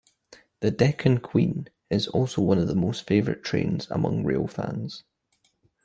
The "Deccan Queen" is also one of the most favourite trains among railfans.